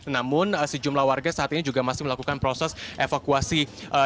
namun sejumlah warga saat ini juga masih melakukan proses evakuasi